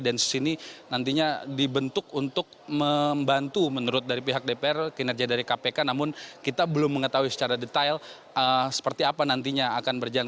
densus ini nantinya dibentuk untuk membantu menurut dari pihak dpr kinerja dari kpk namun kita belum mengetahui secara detail seperti apa nantinya akan berjalan